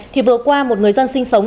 thì vừa qua một người dân sinh sống